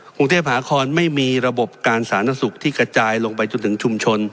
กรุงเทพหาคอนไม่มีระบบการสาธารณสุขที่กระจายลงไปจนถึงชุมชน